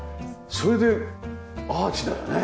それでアーチだよね。